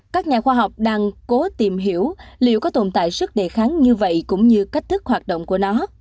các nhà khoa học đang cố tìm hiểu liệu có tồn tại sức đề kháng như vậy cũng như cách thức hoạt động của nó